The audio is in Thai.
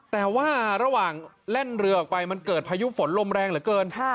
แต่ว่าระหว่างแล่นเรือออกไปมันเกิดพายุฝนลมแรงเหลือเกิน